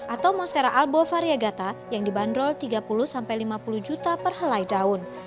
atau monstera albo variegata yang dibanderol tiga puluh sampai lima puluh juta perhelai daun